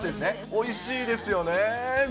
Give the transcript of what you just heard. おいしいですよね。